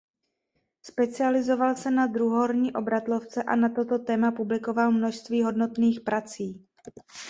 Specializoval se na druhohorní obratlovce a na toto téma publikoval množství hodnotných prací.